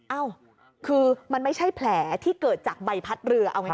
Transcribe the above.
เอ้าคือมันไม่ใช่แผลที่เกิดจากใบพัดเรือเอาไง